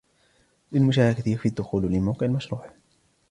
للمشاركة يكفي الدخول لموقع المشروع